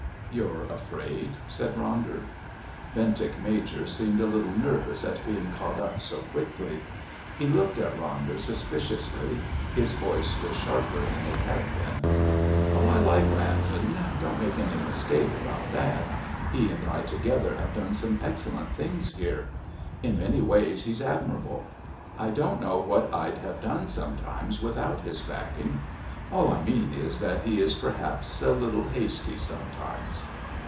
"You're afraid?" said Ronder. Bentinck Major seemed a little nervous at being caught up so quickly. He looked at Ronder suspiciously. His voice was sharper than it had been. "Oh, I like Brandon don't make any mistake about that. He and I together have done some excellent things here. In many ways he's admirable. I don't know what I'd have done sometimes without his backing. All I mean is that he is perhaps a little hasty sometimes."